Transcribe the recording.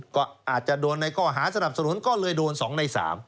ก็อาจจะโดนในข้อหาสนับสนุนก็เลยโดน๒ใน๓